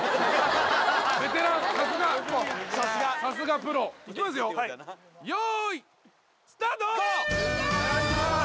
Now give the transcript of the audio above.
さすがさすがプロいきますよ